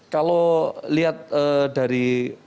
kalau lihat dari